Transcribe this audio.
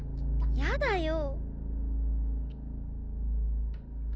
やだよ。